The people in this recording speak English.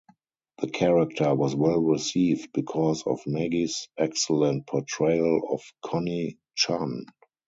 The character was well received because of Maggie's excellent portrayal of Connie Chan.